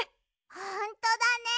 ほんとだね。